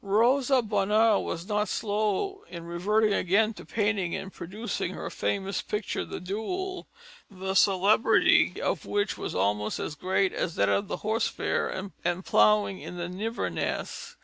Rosa Bonheur was not slow in reverting again to painting and produced her famous picture: The Duel, the celebrity of which was almost as great as that of the Horse Fair and Ploughing in the Nivernais.